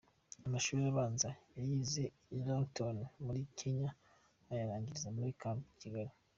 Amashuri abanza yayize i Lavington muri Kenya, ayarangiriza muri Camp Kigali.